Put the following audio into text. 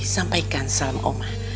sampaikan salam oma